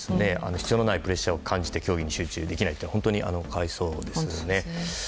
必要のないプレッシャーを感じて競技に集中できないのは本当に可哀想ですよね。